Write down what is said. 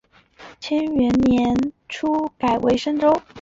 干元初年复改置为深州。